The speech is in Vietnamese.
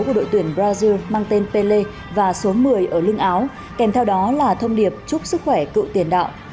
của đội tuyển brazil mang tên pelle và số một mươi ở lưng áo kèm theo đó là thông điệp chúc sức khỏe cựu tiền đạo